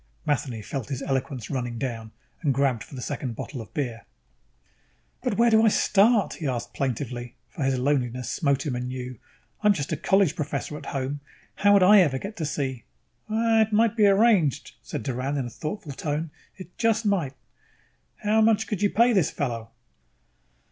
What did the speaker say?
Matheny felt his eloquence running down and grabbed for the second bottle of beer. "But where do I start?" he asked plaintively, for his loneliness smote him anew. "I'm just a college professor at home. How would I even get to see " "It might be arranged," said Doran in a thoughtful tone. "It just might. How much could you pay this fellow?"